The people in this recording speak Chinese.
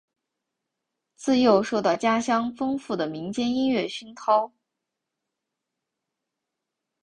自幼受到家乡丰富的民间音乐熏陶。